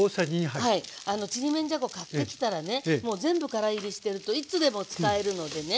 ちりめんじゃこ買ってきたらねもう全部からいりしてるといつでも使えるのでね